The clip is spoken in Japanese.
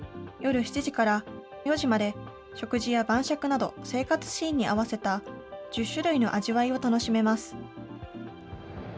夜７時から４時まで、食事や晩酌など、生活シーンに合わせた１０種類の味わいを楽しめます。